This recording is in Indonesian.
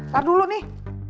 tar dulu nih